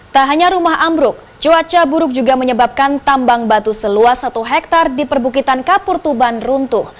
tak hanya rumah ambruk cuaca buruk juga menyebabkan tambang batu seluas satu hektare di perbukitan kapur tuban runtuh